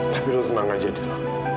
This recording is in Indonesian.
tapi lo tenang aja adil